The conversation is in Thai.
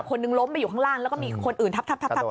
คนนึงล้มไปอยู่ข้างล่างแล้วก็มีคนอื่นทับ